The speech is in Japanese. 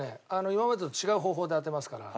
今までと違う方法で当てますから。